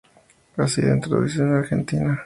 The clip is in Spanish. Ha sido introducido en Argentina.